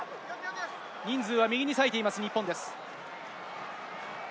人数は右に割いています、日本です。